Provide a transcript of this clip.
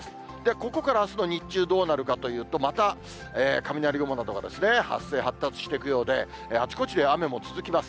ここからあすの日中、どうなるかというと、また雷雲などが発生、発達していくようで、あちこちで雨も続きます。